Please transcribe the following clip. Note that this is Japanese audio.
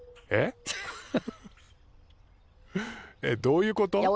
えっどういうこと？